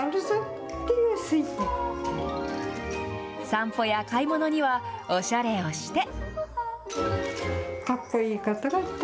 散歩や買い物には、おしゃれをして。